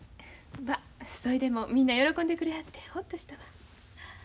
まそいでもみんな喜んでくれはってホッとしたわ。